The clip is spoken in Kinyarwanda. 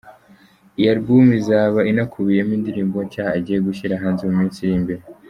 Iyi album izaba inakubiyeho indirimbo nshya agiye gushyira hanze mu minsi iri imbere.